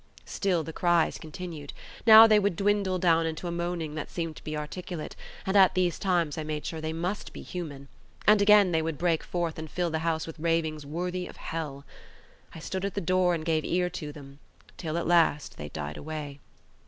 Still the cries continued. Now they would dwindle down into a moaning that seemed to be articulate, and at these times I made sure they must be human; and again they would break forth and fill the house with ravings worthy of hell. I stood at the door and gave ear to them, till at, last they died away.